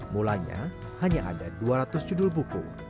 mulanya hanya ada dua ratus judul buku